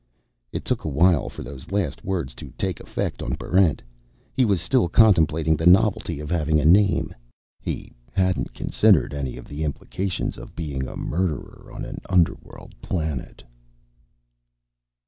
It took a while for those last words to take effect on Barrent. He was still contemplating the novelty of having a name. He hadn't considered any of the implications of being a murderer on an underworld planet.